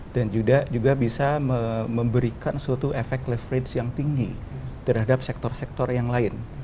dan juga bisa memberikan suatu efek leverage yang tinggi terhadap sektor sektor yang lain